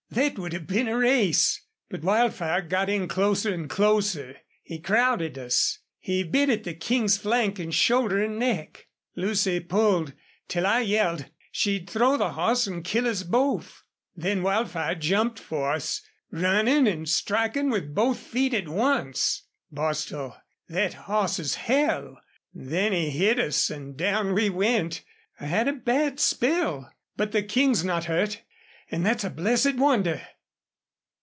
Thet would have been a race! ... But Wildfire got in closer an' closer. He crowded us. He bit at the King's flank an' shoulder an' neck. Lucy pulled till I yelled she'd throw the hoss an' kill us both. Then Wildfire jumped for us. Runnin' an' strikin' with both feet at once! Bostil, thet hoss's hell! Then he hit us an' down we went. I had a bad spill. But the King's not hurt an' thet's a blessed wonder."